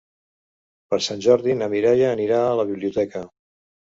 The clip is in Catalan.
Per Sant Jordi na Mireia anirà a la biblioteca.